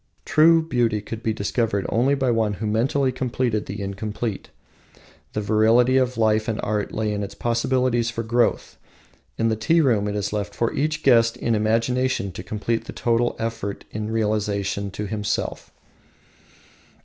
True beauty could be discovered only by one who mentally completed the incomplete. The virility of life and art lay in its possibilities for growth. In the tea room it is left for each guest in imagination to complete the total effect in relation to himself.